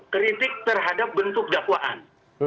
kritik terhadap bentuk dakwaan